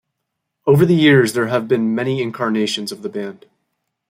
Over the years there have been many incarnations of the band.